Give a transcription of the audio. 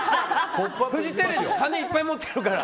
金いっぱい持ってるから。